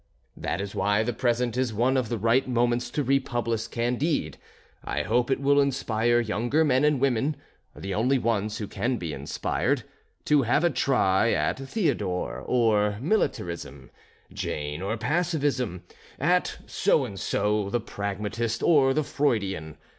That is why the present is one of the right moments to republish "Candide." I hope it will inspire younger men and women, the only ones who can be inspired, to have a try at Theodore, or Militarism; Jane, or Pacifism; at So and So, the Pragmatist or the Freudian.